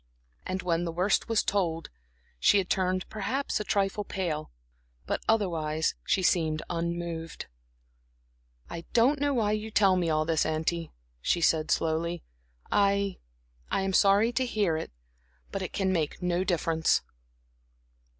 And when the worst was told, she had turned perhaps a trifle pale, but otherwise she seemed unmoved. "I don't know why you tell me all this, auntie," she said, slowly. "I I am sorry to hear it, but it can make no difference."